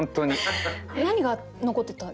何が残ってた？